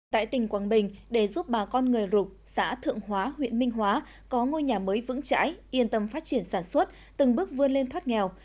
tại tỉnh quảng bình để giúp bà con người rục xã thượng hóa huyện minh hóa có ngôi nhà mới vững chãi yên tâm phát triển sản xuất từng bước vươn lên thoát nghèo